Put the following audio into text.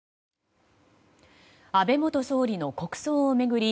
安倍元総理の国葬を巡り